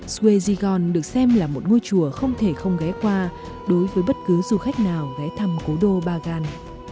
suezigon được xem là một ngôi chùa không thể không ghé qua đối với bất cứ du khách nào ghé thăm cố đô bagan